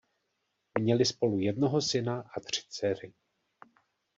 Měli spolu jednoho syna a tři dcery.